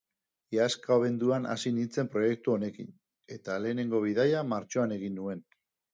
Iazko abenduan hasi nintzen proiektu honekin, eta lehenengo bidaia martxoan egin nuen.